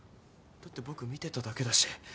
だって僕見てただけだし。